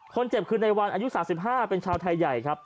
คนเจ็บคือในวันอายุ๓๕เป็นชาวไทยใหญ่ครับ